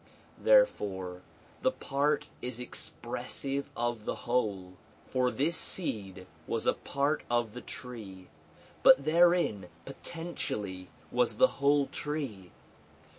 Therefore the part is expressive of the whole, for this seed was a part of the tree, but therein potentially was the whole tree.